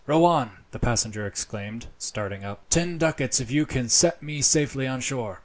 "Row on," the passenger exclaimed, starting up. "Ten ducats if you can set me safely on shore."